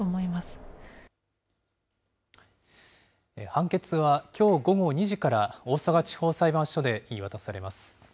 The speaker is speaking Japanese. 判決はきょう午後２時から、大阪地方裁判所で言い渡されます。